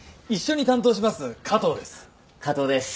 加東です。